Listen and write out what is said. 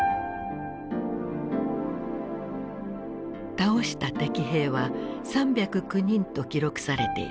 倒した敵兵は３０９人と記録されている。